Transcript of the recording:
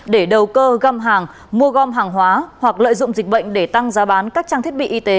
để đầu cơ găm hàng mua gom hàng hóa hoặc lợi dụng dịch bệnh để tăng giá bán các trang thiết bị y tế